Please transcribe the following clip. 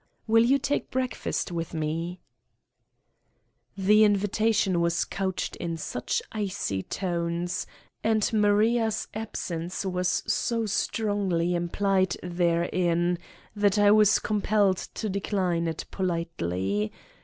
Will you take breakfast with met" The invitation was couched in such icy tones and Maria's absence was so strongly implied therein that I was compelled to decline it politely.